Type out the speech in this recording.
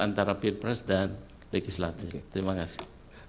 antara p tiga dan legislatif terima kasih